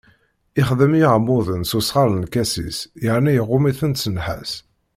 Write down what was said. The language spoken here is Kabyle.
Ixdem iɛmuden s usɣar n lkasis, yerna iɣumm-iten s nnḥas.